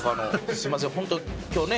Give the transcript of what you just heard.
すいませんホント今日ね。